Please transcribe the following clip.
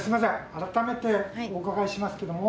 改めてお伺いしますけども。